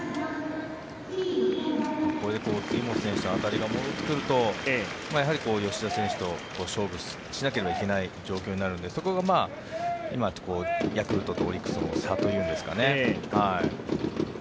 これで杉本選手の当たりが戻ってくるとやはり吉田選手と勝負しなければいけない状況になるのでそこが今ヤクルトとオリックスの差というんですかね。